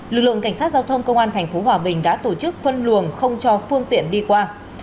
lực lượng cảnh sát giao thông công an tp hòa bình đã tổ chức phân luồng không cho phương tiện đi qua